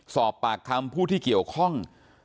สอบปากคำผู้ที่เกี่ยวข้อง